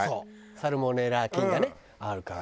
サルモネラ菌がねあるから。